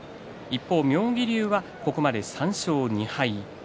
妙義龍は、ここまで３勝２敗。